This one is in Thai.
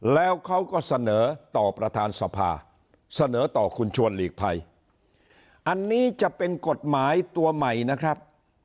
แล้วเขาก็เสนอต่อประธานสภาเสนอต่อคุณชวนหลีกภัยอันนี้จะเป็นกฎหมายตัวใหม่นะครับ